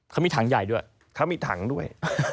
เขามีถังใหญ่ด้วย